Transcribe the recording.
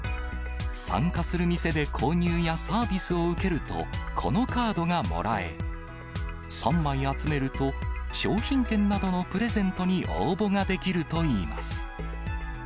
参加する店で購入やサービスを受けると、このカードがもらえ、３枚集めると、商品券などのプレゼントに応募ができるといいます。